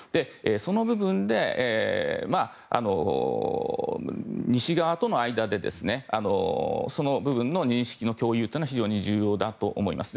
その部分で西側との間でその部分の認識の共有は非常に重要だと思います。